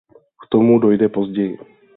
K tomu dojde později.